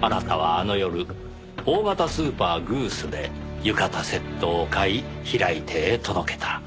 あなたはあの夜大型スーパーグースで浴衣セットを買い平井邸へ届けた。